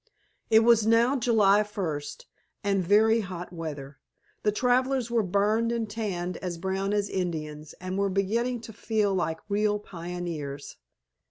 It was now July first, and very hot weather. The travelers were burned and tanned as brown as Indians, and were beginning to feel like real pioneers.